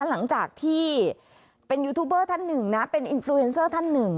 หลังจากที่เป็นยูทูบเบอร์ท่านหนึ่งนะเป็นอินฟูเอ็นเซอร์ท่านหนึ่ง